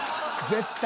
絶対。